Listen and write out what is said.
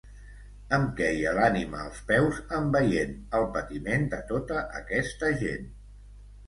Em queia l’ànima als peus en veient el patiment de tota aquesta gent.